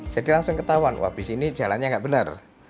jadi langsung ketahuan wah bus ini jalannya nggak benar